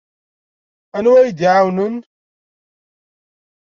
Anwa ara iyi-iɛawnen?